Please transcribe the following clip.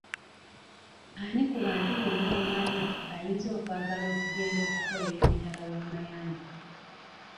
Ani ku bantu bonna b'omanyi ayinza okwagala okugenda okukolera emitala wa mayanja?